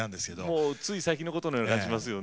もうつい最近のことのように感じますよね。